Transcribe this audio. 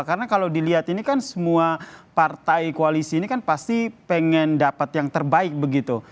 karena kalau dilihat ini kan semua partai koalisi ini kan pasti pengen dapat yang terbaik begitu